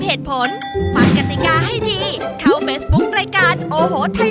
เหตุผลฟังกติกาให้ดีเข้าเฟซบุ๊ครายการโอ้โหไทย